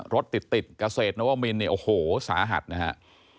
รถติดกระเศษนวมิลโอ้โหสาหัสนะครับ